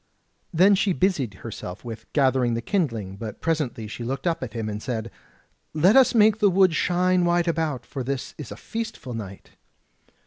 Then she busied herself with gathering the kindling; but presently she looked up at him, and said: "Let us make the wood shine wide about, for this is a feastful night."